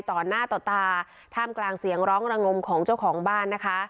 ต่อหน้าต่อตาท่ามกลางเสียงร้องระงมของเจ้าของบ้านนะคะ